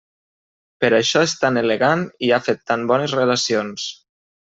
Per això és tan elegant i ha fet tan bones relacions.